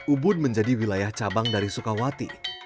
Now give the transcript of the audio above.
ubun menjadi wilayah cabang dari sukawati